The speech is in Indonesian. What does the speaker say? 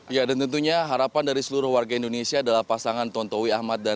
ya dan tentunya harapan dari seluruh warga indonesia adalah pasangan tontowi ahmad dan